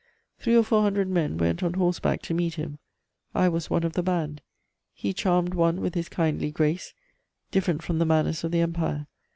Three or four hundred men went on horseback to meet him: I was one of the band. He charmed one with his kindly grace, different from the manners of the Empire.